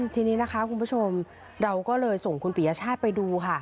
ทีนี้นะคะคุณผู้ชมเราก็เลยส่งคุณปียชาติไปดูค่ะ